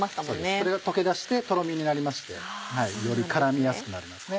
それが溶け出してとろみになりましてより絡みやすくなりますね。